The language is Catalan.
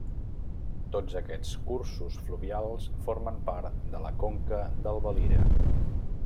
Tots aquests cursos fluvials formen part de la conca del Valira.